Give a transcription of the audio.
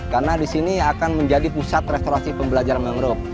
karena disini akan menjadi pusat restorasi pembelajaran mangrove